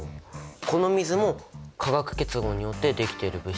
この水も化学結合によってできている物質なんだね。